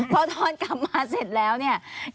พอทอนกลับมาเสร็จแล้วเนี่ย